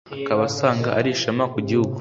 akaba asanga ari ishema ku gihugu